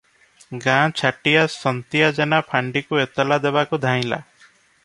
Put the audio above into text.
ଗାଁ ଛାଟିଆ ସନ୍ତିଆ ଜେନା ଫାଣ୍ତିକୁ ଏତଲା ଦେବାକୁ ଧାଇଁଲା ।